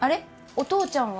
お父ちゃんは？